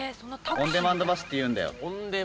オンデマンドバスっていうんだよ。